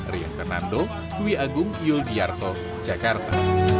rian fernando wi agung yulgiarto jakarta